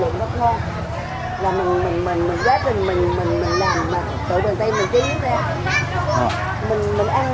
là mình gia đình mình làm tự bằng tay mình kiếm ra